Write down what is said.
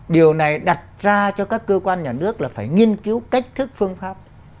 điều này đặt ra cho các cơ quan nhà nước là phải nghiên cứu cách thức phương pháp